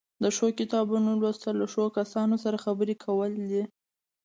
د ښو کتابونو لوستل له ښو کسانو سره خبرې کول دي.